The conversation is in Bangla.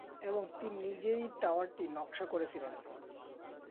এবং তিনি নিজেই টাওয়ারটি নকশা করেছিলেন।